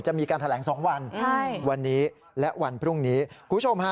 จะมีการแถลงสองวันใช่วันนี้และวันพรุ่งนี้คุณผู้ชมฮะ